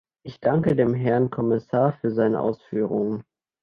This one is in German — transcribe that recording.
Ich danke dem Herrn Kommissar für seine Ausführungen.